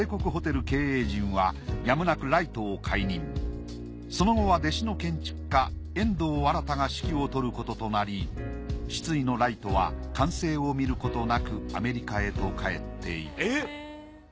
そこでその後は弟子の建築家遠藤新が指揮を執ることとなり失意のライトは完成を見ることなくアメリカへと帰っていった。